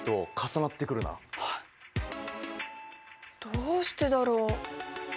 どうしてだろう？